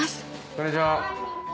こんにちは。